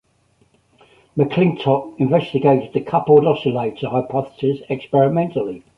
McClintock investigated the coupled oscillator hypothesis experimentally.